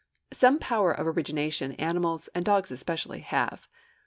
Some power of origination animals, and dogs especially, certainly have.